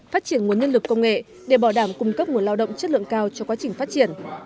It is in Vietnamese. phát triển nguồn nhân lực công nghệ để bảo đảm cung cấp nguồn lao động chất lượng cao cho quá trình phát triển